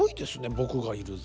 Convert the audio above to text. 「僕がいるぞ！」。